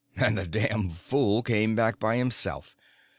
And the damned fool came back by himself.